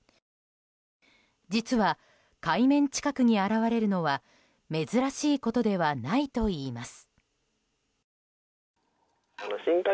実は、海面近くに現れるのは珍しいことではないといいます。